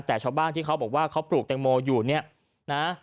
แต่ชาวบ้านที่เขาบอกว่าเขาปลูกแตงโมอยู่เนี่ยนะ